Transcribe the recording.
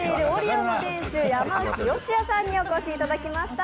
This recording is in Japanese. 山内義也さんにお越しいただきました。